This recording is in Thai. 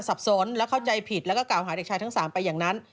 สับสนและเข้าใจผิดแล้วก็กล่าวหาเด็กชายทั้ง๓ไปอย่างนั้น